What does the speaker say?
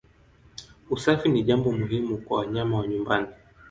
Usafi ni jambo muhimu sana kwa wanyama wa nyumbani.